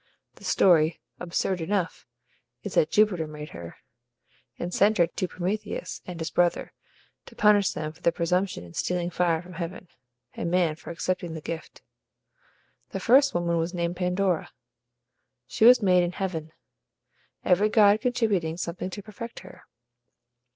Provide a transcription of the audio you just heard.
The story (absurd enough!) is that Jupiter made her, and sent her to Prometheus and his brother, to punish them for their presumption in stealing fire from heaven; and man, for accepting the gift. The first woman was named Pandora. She was made in heaven, every god contributing something to perfect her.